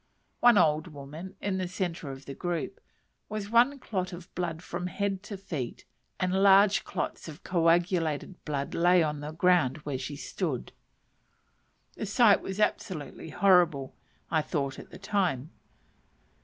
One old woman, in the centre of the group, was one clot of blood from head to feet, and large clots of coagulated blood lay on the ground where she stood. The sight was absolutely horrible, I thought at the time.